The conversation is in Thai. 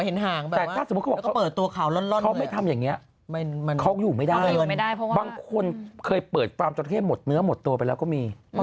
รางวัลที่หนึ่งอยู่ที่ด้านเหนือจริงแม่นี่